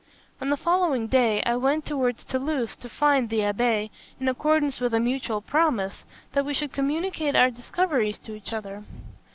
"On the following day, I went towards Toulouse to find, the abbé, in accordance with a mutual promise, that we should communicate our discoveries to each other.